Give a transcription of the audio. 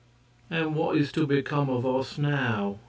"And what is to become of us now?"